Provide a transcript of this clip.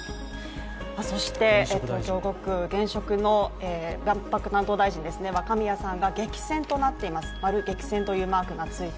そして東京５区、現職の大臣ですね若宮さんが激戦となっています。